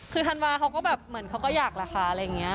คือธันวาเขาก็แบบเหมือนเขาก็อยากแหละค่ะ